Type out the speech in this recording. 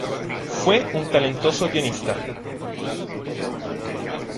Fue un talentoso pianista.